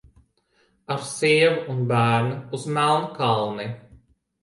Ar sievu un bērnu uz Melnkalni!